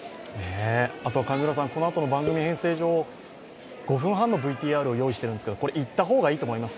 このあとの番組編成上、５分半のＶＴＲを用意しているんですが、いった方がいいと思います？